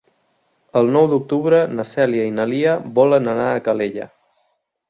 El nou d'octubre na Cèlia i na Lia volen anar a Calella.